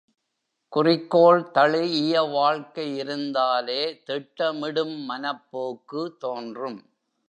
குறிக்கோள் தழிஇய வாழ்க்கை இருந்தாலே திட்டமிடும் மனப்போக்கு தோன்றும்.